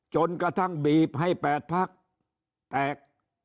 จนกระทั่งบีบให้๘พักแตก